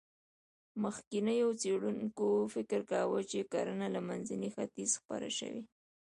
مخکېنو څېړونکو فکر کاوه، چې کرنه له منځني ختیځ خپره شوه.